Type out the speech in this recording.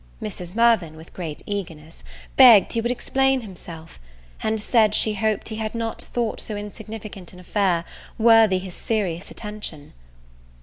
Mrs. Mirvan, with great eagerness, begged he would explain himself; and said she hoped he had not thought so insignificant an affair worthy his serious attention.